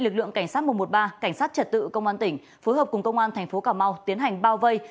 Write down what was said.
lực lượng cảnh sát một trăm một mươi ba cảnh sát trật tự công an tỉnh phối hợp cùng công an thành phố cà mau tiến hành bao vây